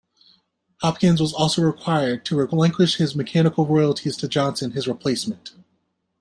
Hopkins was also required to relinquish his mechanical royalties to Johnson, his replacement.